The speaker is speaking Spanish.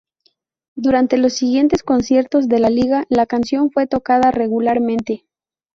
Durante los siguientes conciertos de la gira la canción fue tocada regularmente.